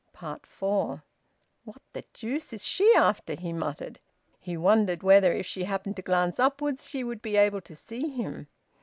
FOUR. "What the deuce is she after?" he muttered. He wondered whether, if she happened to glance upwards, she would be able to see him.